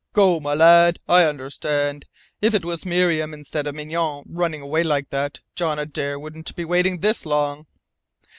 "Go, my lad. I understand. If it was Miriam instead of Mignonne running away like that, John Adare wouldn't be waiting this long."